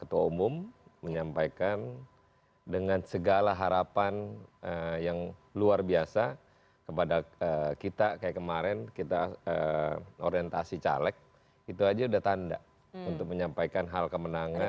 ketua umum menyampaikan dengan segala harapan yang luar biasa kepada kita kayak kemarin kita orientasi caleg itu aja udah tanda untuk menyampaikan hal kemenangan